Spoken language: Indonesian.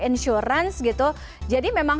insuransi gitu jadi memang